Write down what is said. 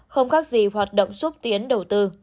không khác gì hoạt động xúc tiến đầu tư